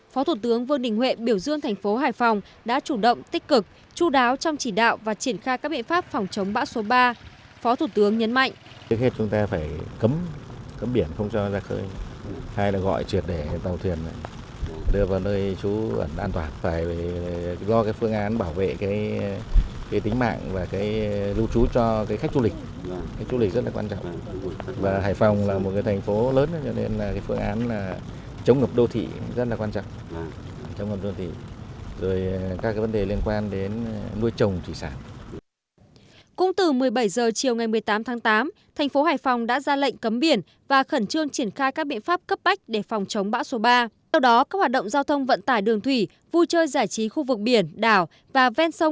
phó thủ tướng vương đình huệ biểu dương thành phố hải phòng đã chủ động tích cực chú đáo trong chỉ đạo và triển khai các biện pháp phòng chống bão số ba